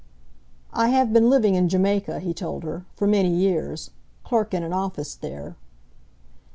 "I have been living in Jamaica," he told her, "for many years clerk in an office there."